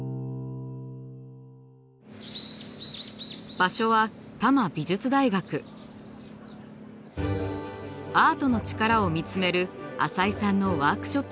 場所はアートのチカラを見つめる淺井さんのワークショップです。